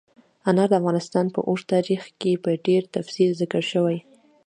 انار د افغانستان په اوږده تاریخ کې په ډېر تفصیل ذکر شوي.